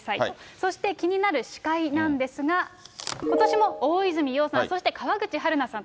そして気になる司会なんですが、ことしも大泉洋さん、そして川口春奈さんと。